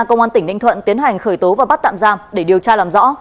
công an tỉnh ninh thuận tiến hành khởi tố và bắt tạm giam để điều tra làm rõ